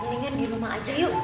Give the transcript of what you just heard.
pengen di rumah aja yuk